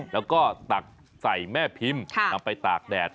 แล้วก็ตักใส่แม่พิมพ์นำไปตากแดด